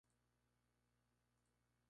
Poco se sabe de la vida temprana de Fu Hao.